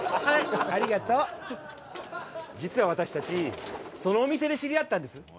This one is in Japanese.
はいありがとう実は私たちそのお店で知り合ったんです